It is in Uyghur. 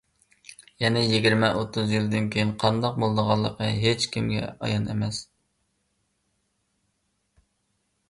يەنە يىگىرمە-ئوتتۇز يىلدىن كېيىن قانداق بولىدىغانلىقى ھېچ كىمگە ئايان ئەمەس.